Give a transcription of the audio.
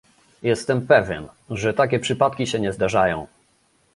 Jestem pewien, że takie przypadki się nie zdarzają